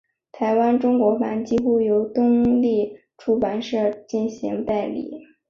台湾中文版几乎由东立出版社进行代理。